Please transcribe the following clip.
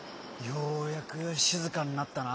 ようやくしずかになったな。